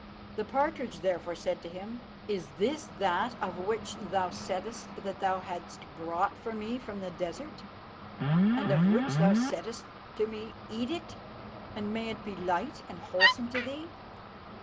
The partridge therefore said to him, 'Is this that of which thou saidst that thou hadst brought for me from the desert, and of which thou saidst to me, "Eat it, and may it be light and wholesome to thee?"